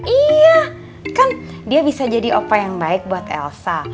iya kan dia bisa jadi apa yang baik buat elsa